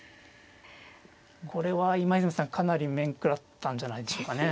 これは今泉さんかなり面食らったんじゃないでしょうかね。